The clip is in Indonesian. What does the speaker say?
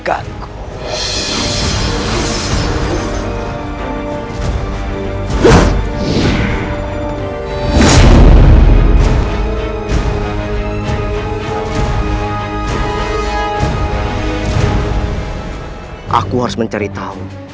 aku harus mencari tahu